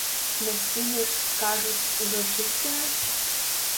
Мясціны ж, кажуць, ужо чыстыя?